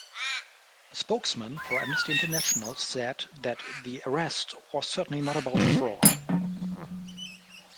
A spokesman for Amnesty International said that the arrest was "certainly not about fraud".